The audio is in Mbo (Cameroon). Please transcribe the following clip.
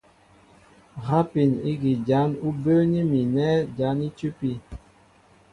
Rápin ígí jǎn ú bə́ə́ní mi nɛ̂ jǎn í tʉ́pí.